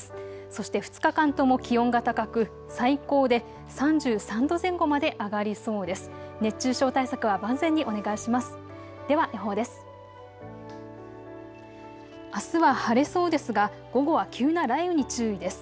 そして２日間とも気温が高く最高で３３度前後まで上がりそうです。